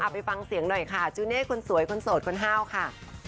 ไปฟังเสียงหน่อยค่ะจูเน่คนสวยคนโสดคนห้าวค่ะ